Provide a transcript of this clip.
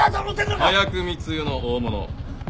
麻薬密輸の大物。